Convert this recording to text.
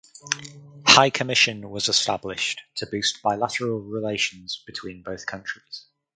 High Commission was established to boost bilateral relations between both countries.